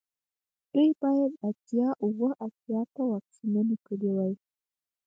دوی باید اتیا اوه اتیا ته واکسینونه کړي وای